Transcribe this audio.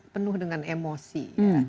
penuh dengan emosi